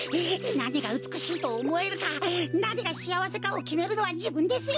なにがうつくしいとおもえるかなにがしあわせかをきめるのはじぶんですよ。